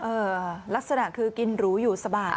ลักษณะคือกินหรูอยู่สบาย